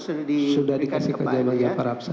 karena seratus sudah diberikan ke pak jafar hafsa